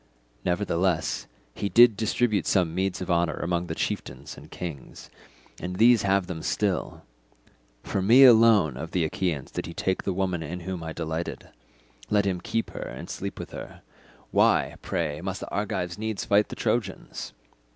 "Nevertheless he did distribute some meeds of honour among the chieftains and kings, and these have them still; from me alone of the Achaeans did he take the woman in whom I delighted—let him keep her and sleep with her. Why, pray, must the Argives needs fight the Trojans?